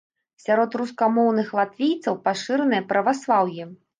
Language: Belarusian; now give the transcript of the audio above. Сярод рускамоўных латвійцаў пашыранае праваслаўе.